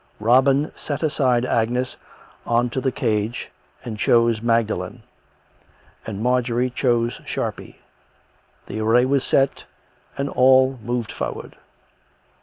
Robin set aside Agnes on to the cadge and chose Magdalen, and Marjorie chose Sharpie. The array was set, and all moved forward.